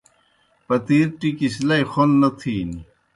پَتِیر ٹِکیْ سہ لئی خوْن نہ تِھینیْ۔